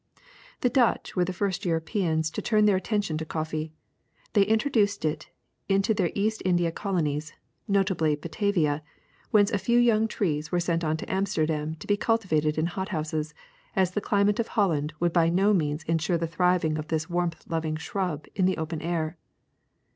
*'The Dutch were the first Europeans to turn their attention to coffee ; they introduced it into their East Indian colonies, notably Batavia, whence a few young trees were sent to Amsterdam to be cultivated in hot houses, as the climate of Holland would by no means ensure the thriving of this warmth loving shrub in the open air.